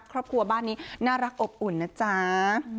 ครอบครัวบ้านนี้น่ารักอบอุ่นนะจ๊ะ